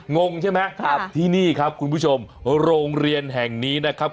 งงใช่ไหมครับที่นี่ครับคุณผู้ชมโรงเรียนแห่งนี้นะครับ